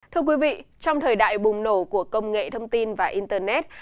thưa quý vị trong thời đại bùng nổ của công nghệ thông tin và internet